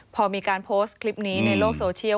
พอมีการโพสต์คลิปนี้ในโลกโซเชียล